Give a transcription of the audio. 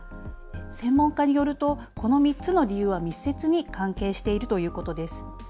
専門家によるとこの３つの理由は密接に関係しているということです。